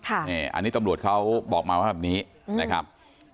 อันนี้ตำรวจเขาบอกมาว่าแบบนี้นะครับ